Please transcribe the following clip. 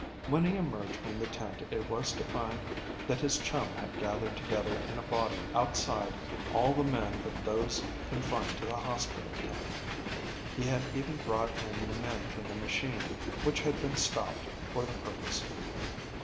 When he emerged from the tent it was to find that his chum had gathered together in a body outside all the men but those confined to the hospital tent. He had even brought in the men from the machine, which had been stopped for the purpose.